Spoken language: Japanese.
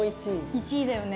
１位だよね。